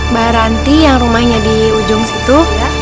baranti yang rumahnya di ujung situ